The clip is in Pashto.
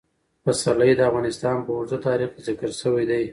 پسرلی د افغانستان په اوږده تاریخ کې ذکر شوی دی.